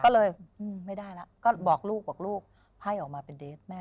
ก็เลยไม่ได้แล้วก็บอกลูกบอกลูกไพ่ออกมาเป็นเดสแม่